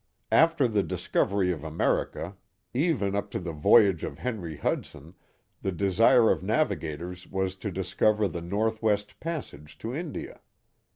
After the discovery of America, even up to the Schonowe or Schenectady 53 voyage of Henry Hudson, the desire of navigators was to dis cover the northwest passage to India."